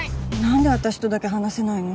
何で私とだけ話せないの？